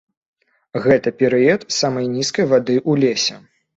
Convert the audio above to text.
Гэта перыяд самай нізкай вады ў лесе.